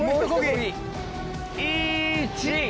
１！